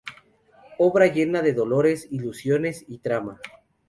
Obra llena de dolores, ilusiones y trama.